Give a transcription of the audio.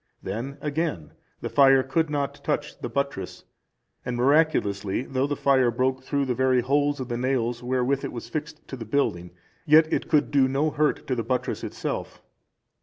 Then again, the fire could not touch the buttress; and, miraculously, though the fire broke through the very holes of the nails wherewith it was fixed to the building, yet it could do no hurt to the buttress itself.